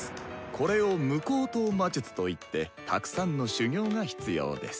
これを無口頭魔術といってたくさんの修業が必要です」。